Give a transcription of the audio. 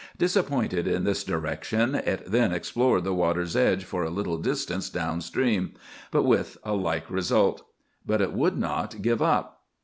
Disappointed in this direction, it then explored the water's edge for a little distance down stream, but with a like result. But it would not give up.